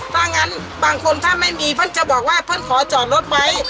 เมื่อก็จะบอกว่าถ้าไม่มีเพื่อนขอจอดล็อตไป